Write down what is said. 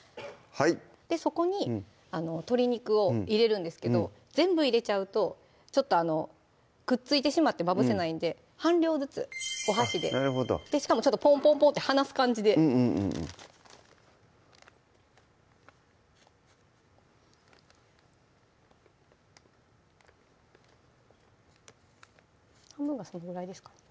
そこに鶏肉を入れるんですけど全部入れちゃうとちょっとくっついてしまってまぶせないんで半量ずつお箸でなるほどしかもちょっとポンポンポンって離す感じで半分がそのぐらいですかね